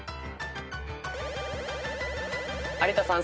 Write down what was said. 有田さん